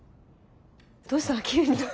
どうしたの？